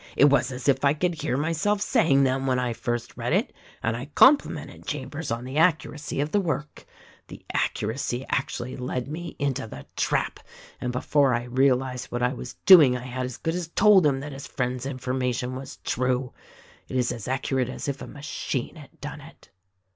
"It was as if I could hear myself saying them, when I first read it ; and I complimented Chambers on the accuracy of the work. The accuracy 208 THE RECORDING ANGEL actually led me into the trap, and before I realized what I was doing I had as good as told him that his friend's information w r as true. It is as accurate as if a machine had done it.''